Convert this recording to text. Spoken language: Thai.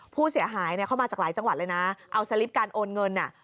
ผู้เสียหายเนี่ยเข้ามาจากหลายจังหวัดเลยนะเอาสลิปการโอนเงิน